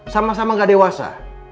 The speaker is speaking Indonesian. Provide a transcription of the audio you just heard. sama sama gak dewasa